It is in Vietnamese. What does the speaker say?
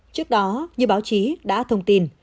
trước đó như báo chí đã thông tin